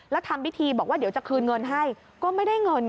แล้วทำพิธีบอกว่าเดี๋ยวจะคืนเงินให้ก็ไม่ได้เงิน